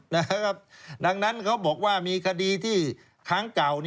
นะครับดังนั้นเขาบอกว่ามีคดีที่ค้างเก่า